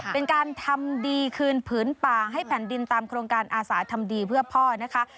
เป็นการทำดีคืนผืนป่าให้แผ่นดินตามโครงการอาสาทำดีเพื่อพ่อนะคะ